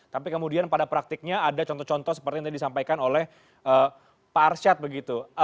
tapi kemudian pada praktiknya ada contoh contoh seperti yang tadi disampaikan oleh pak arsyad begitu